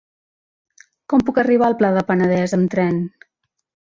Com puc arribar al Pla del Penedès amb tren?